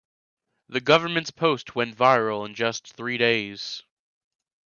The government's post went viral in just three days.